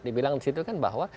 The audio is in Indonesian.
dibilang di situ kan bahwa